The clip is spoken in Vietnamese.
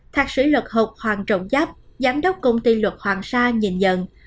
thạc sĩ luật học hoàng trọng giáp giám đốc công ty luật hoàng sa nhìn nhận